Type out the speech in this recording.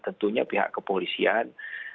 tentunya pihak kepolisian